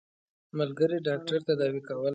ملګري ډاکټر تداوي کوله.